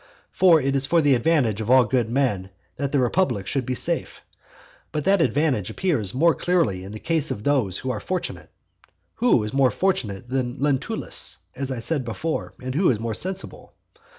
For it is for the advantage of all good men that the republic should be safe; but that advantage appears more clearly in the case of those who are fortunate. Who is more fortunate than Lentulus, as I said before, and who is more sensible?